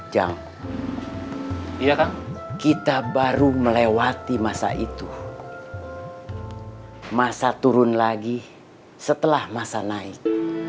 jam kita baru melewati masa itu masa turun lagi setelah masa naik